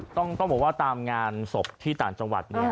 ต้องบอกว่าตามงานศพที่ต่างจังหวัดเนี่ย